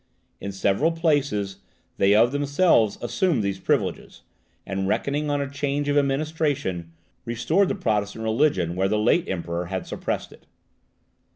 In several places, they of themselves assumed these privileges, and, reckoning on a change of administration, restored the Protestant religion where the late Emperor had suppressed it.